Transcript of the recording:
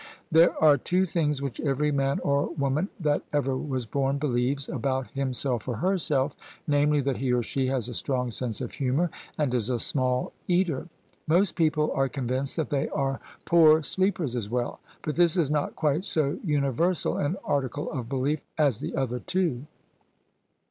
There are two things which every man or woman that ever was bom believes, about himself or herself: namely that he or she has a strong sense of humour, and is a small eater! Most people are convinced that they are poor sleepers as well : but this is not quite so universal an article of belief as the other two.